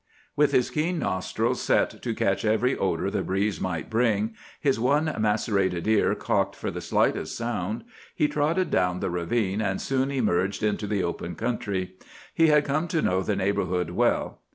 With his keen nostrils set to catch every odor the breeze might bring; his one macerated ear cocked for the slightest sound, he trotted down the ravine and soon emerged into the open country. He had come to know the neighborhood well.